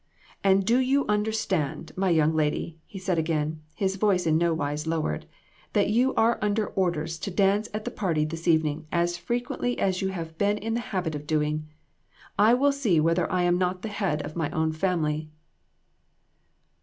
"And do you understand, my young lady," he said again, his voice in no wise lowered, "that you are under orders to dance at the party this eve ning as frequently as you have been in the habit of doing. I will see whether I am not the head of my own family."